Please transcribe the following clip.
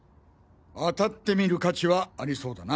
当たってみる価値はありそうだな。